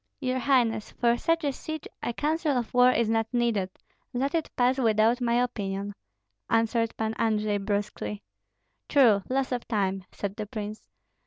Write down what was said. "Your highness, for such a siege a counsel of war is not needed, let it pass without my opinion," answered Pan Andrei, brusquely. "True, loss of time!" said the prince.